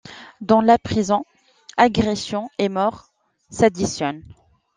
Dans la prison, agressions et morts s'additionnent.